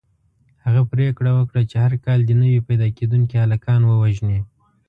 هغه پرېکړه وکړه چې هر کال دې نوي پیدا کېدونکي هلکان ووژني.